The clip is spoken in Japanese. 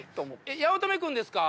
八乙女君ですか？